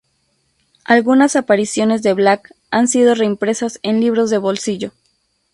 Algunas apariciones de Black han sido reimpresas en libros de bolsillo.